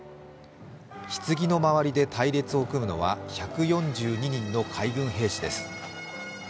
ひつぎの周りで隊列を組むのは１４２人の海軍兵士です。